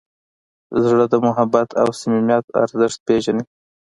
زړه د محبت او صمیمیت ارزښت پېژني.